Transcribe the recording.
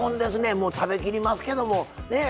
もう食べきりますけどもねえ？